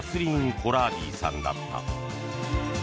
・コラーディさんだ。